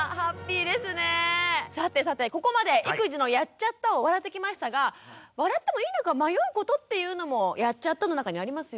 さてさてここまで育児の「やっちゃった！」を笑ってきましたが笑ってもいいのか迷うことっていうのも「やっちゃった！」の中にありますよね。